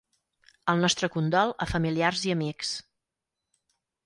El nostre condol a familiars i amics.